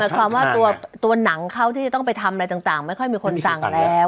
ความว่าตัวหนังเขาที่จะต้องไปทำอะไรต่างไม่ค่อยมีคนสั่งแล้ว